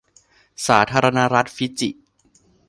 สาธารณรัฐฟิจิ